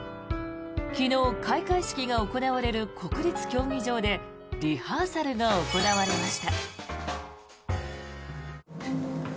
昨日、開会式が行われる国立競技場でリハーサルが行われました。